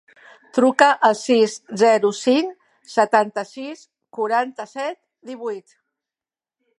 Truca al sis, zero, cinc, setanta-sis, quaranta-set, divuit.